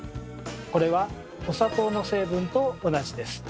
これはお砂糖の成分と同じです。